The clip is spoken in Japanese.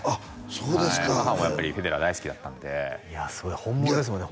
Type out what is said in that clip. そうですかはい母もやっぱりフェデラー大好きだったんですごい本物ですもんね